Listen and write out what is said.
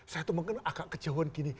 saya tuh mungkin agak kejauhan gini